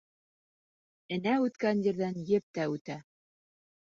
Энә үткән ерҙән еп тә үтә.